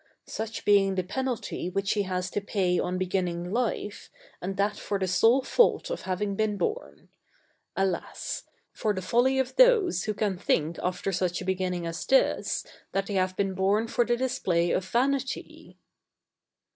such being the penalty which he has to pay on beginning life, and that for the sole fault of having been born. Alas! for the folly of those who can think after such a beginning as this, that they have been born for the display of vanity!